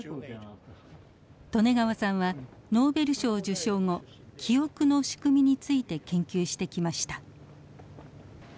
利根川さんはノーベル賞受賞後記憶の仕組みについて研究してきました。